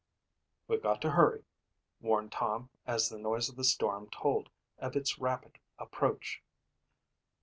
"We've got to hurry," warned Tom as the noise of the storm told of its rapid approach.